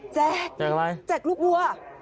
แจกแจกลูกวัว